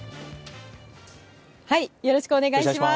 よろしくお願いします。